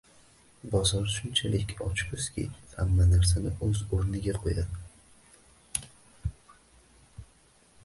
Bozor shunchalik ochko'zki, hamma narsani o'z o'rniga qo'yadi